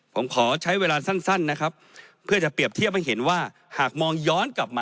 ผมขอใช้เวลาสั้นเลยนะครับเพื่อจะเปรียบเทียบให้เห็นว่าหาก